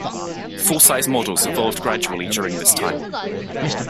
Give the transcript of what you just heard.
Full-size models evolved gradually during this time.